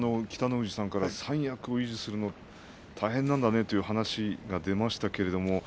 北の富士さんから三役を維持するのは大変なんだねという話が出ました。